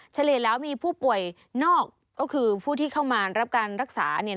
เฉลี่ยแล้วมีผู้ป่วยนอกก็คือผู้ที่เข้ามารับการรักษา